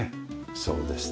そうですね。